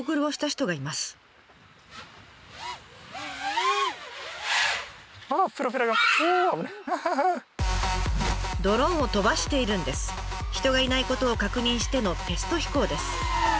人がいないことを確認してのテスト飛行です。